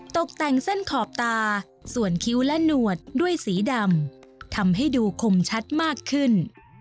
ตกแต่งเส้นขอบตาส่วนคิ้วและหนวดด้วยสีดำทำให้ดูคมชัดมากขึ้น